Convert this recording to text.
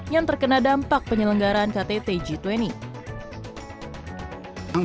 yang terkena dampak penyelenggaraan ktt g dua puluh